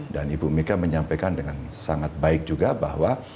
dan ibu mika menyampaikan dengan sangat baik juga bahwa